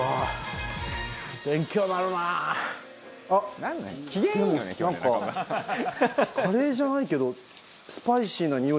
あっなんかカレーじゃないけど。